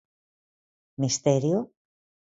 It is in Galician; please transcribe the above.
Misterio?